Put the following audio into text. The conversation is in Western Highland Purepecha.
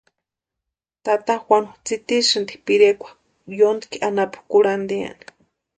Tata Juanu tsitisïnti pirekwa yóntki anapu kurhantiani.